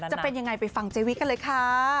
จะเป็นยังไงไปฟังเจวิกันเลยค่ะ